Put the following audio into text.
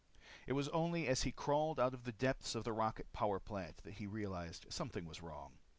It was only as he crawled out of the depths of the rocket power plant that he realized something was wrong.